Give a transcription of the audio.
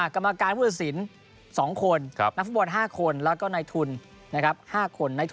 กรรมาการผู้ถือสิน๒คนนักพบตรห้าแล้วก็ในทุนนะครับ๕คน